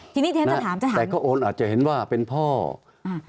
ทีนี้แต๊คจะถาม